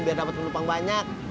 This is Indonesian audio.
biar dapet penumpang banyak